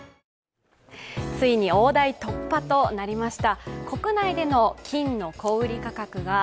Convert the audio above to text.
ついに大台突破となりました。